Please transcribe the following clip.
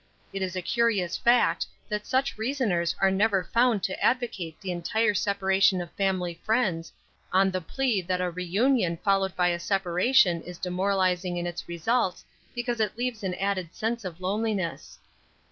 It is a curious fact, that such reasoners are never found to advocate the entire separation of family friends on the plea that a reunion followed by a separation is demoralizing in its results because it leaves an added sense of loneliness.